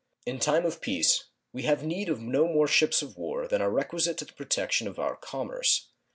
In time of peace we have need of no more ships of war than are requisite to the protection of our commerce.